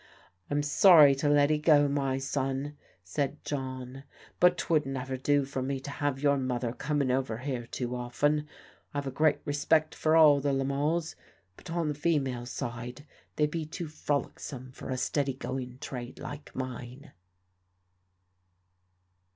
"I'm sorry to let 'ee go, my son," said John; "but 'twould never do for me to have your mother comin' over here too often. I've a great respect for all the Lemals; but on the female side they be too frolicsome for a steady going trade like mine."